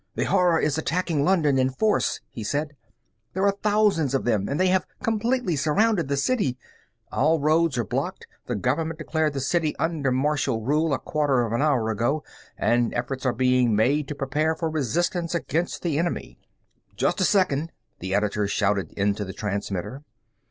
"The Horror is attacking London in force," he said. "There are thousands of them and they have completely surrounded the city. All roads are blocked. The government declared the city under martial rule a quarter of an hour ago and efforts are being made to prepare for resistance against the enemy." "Just a second," the editor shouted into the transmitter.